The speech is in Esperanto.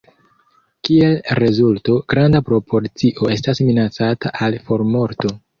Kiel rezulto, granda proporcio estas minacata al formorto.